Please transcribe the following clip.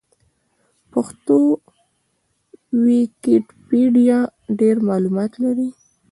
پښتو ويکيپېډيا ډېر معلومات لري.